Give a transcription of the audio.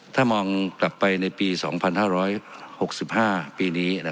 ถ้ามองกลับไปในปี๒๕๖๕ปีนี้